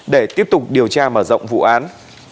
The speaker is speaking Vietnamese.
để tiếp tục điều tra mở rộng vụ án